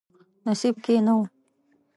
نصیب کې نه و.